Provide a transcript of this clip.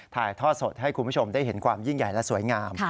ถ่ายทอดสดให้คุณผู้ชมได้เห็นความยิ่งใหญ่และสวยงาม